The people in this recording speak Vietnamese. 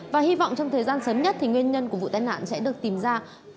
và hy vọng trong thời gian sớm nhất thì nguyên nhân của vụ tai nạn sẽ được tìm ra